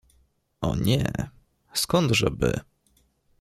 — O nie… skądże by!